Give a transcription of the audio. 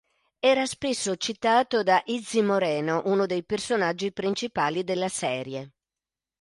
Era spesso citato da Izzy Moreno, uno dei personaggi principali della serie.